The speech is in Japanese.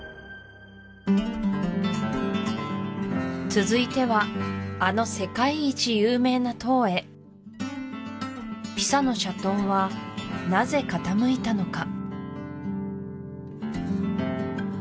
続いてはあの世界一有名な塔へピサの斜塔はなぜ傾いたのか？